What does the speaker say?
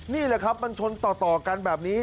นี่แหละครับมันชนต่อกันแบบนี้